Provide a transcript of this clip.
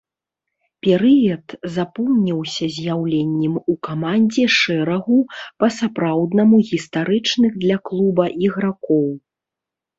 Перыяд запомніўся з'яўленнем у камандзе шэрагу па-сапраўднаму гістарычных для клуба ігракоў.